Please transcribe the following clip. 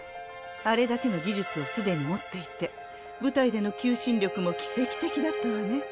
あれだけの技術をすでに持っていて舞台での求心力も奇跡的だったわね。